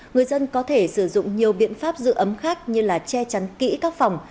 người dân có thể sử dụng nhiều biện pháp giữ ấm khác như là che chắn kỹ các phòng